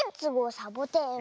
サボテン」は。